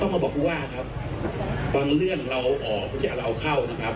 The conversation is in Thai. ต้อง็บอกว่าครับบังเรื่องเราเอาออกอย่างคือเอาเข้านะครับ